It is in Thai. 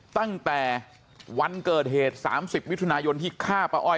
ตั้งแต่วันเกิดเหตุ๓๐มิถุนายนที่ฆ่าป้าอ้อย